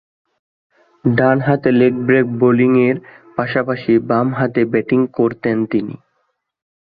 ডানহাতে leg break বোলিংয়ের পাশাপাশি বামহাতে ব্যাটিং করতেন তিনি।